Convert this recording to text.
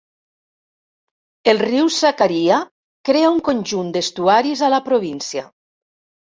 El riu Sakarya crea un conjunt d'estuaris a la província.